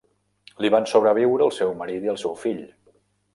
Li van sobreviure el seu marit i el seu fill.